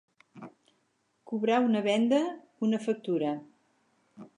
Cobrar una venda, una factura.